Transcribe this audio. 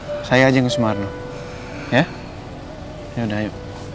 mual mas kamu gak usah ikut ke sumarno ya loh kenapa aku gak ikut aku ikut lah